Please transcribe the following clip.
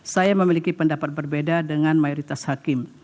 saya memiliki pendapat berbeda dengan mayoritas hakim